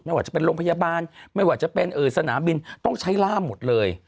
ว่าจะเป็นโรงพยาบาลไม่ว่าจะเป็นสนามบินต้องใช้ล่ามหมดเลย